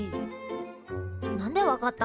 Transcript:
なんでわかったんだ？